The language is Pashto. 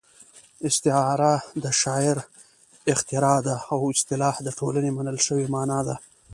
استعاره د شاعر اختراع ده او اصطلاح د ټولنې منل شوې مانا ده